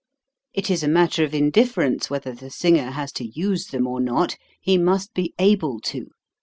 It is a matter of indifference whether the singer has to use them or not ; he must be able to.